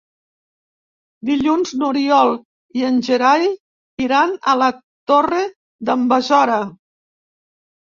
Dilluns n'Oriol i en Gerai iran a la Torre d'en Besora.